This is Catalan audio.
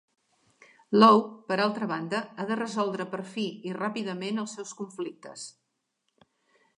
Law, per altra banda, ha de resoldre per fi i ràpidament els seus conflictes.